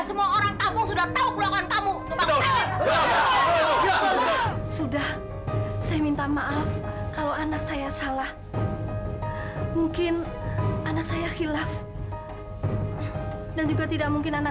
sampai jumpa di video selanjutnya